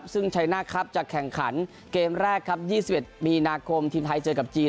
ซึ่งจากแข่งขันเกมแรก๒๑มีนาคมทีมไทยเจอกับจีน